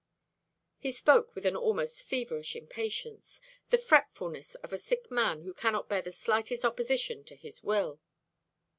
He spoke with an almost feverish impatience, the fretfulness of a sick man who cannot bear the slightest opposition to his will.